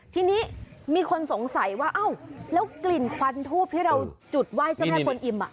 ทีนี้มีคนสงสัยว่าเอ้าแล้วกลิ่นควันทูปที่เราจุดไหว้เจ้าแม่กวนอิ่ม